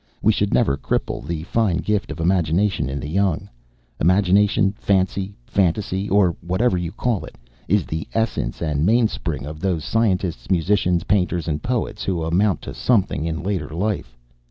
We should never cripple the fine gift of imagination in the young. Imagination, fancy, fantasy or whatever you call it is the essence and mainspring of those scientists, musicians, painters, and poets who amount to something in later life.